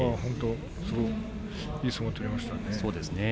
きょうはいい相撲を取りましたね。